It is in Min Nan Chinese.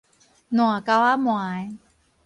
爛溝仔糜